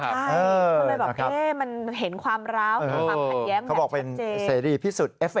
ใช่มันเห็นความร้าวความเหมียมชัดเจนเขาบอกเป็นเศรษฐีพี่สุด